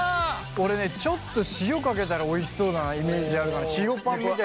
俺ねちょっと塩かけたらおいしそうなイメージあるから塩パンみたいなイメージ。